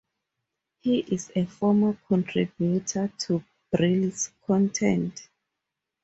He is a former contributor to "Brill's Content".